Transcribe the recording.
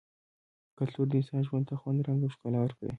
کلتور د انسان ژوند ته خوند ، رنګ او ښکلا ورکوي -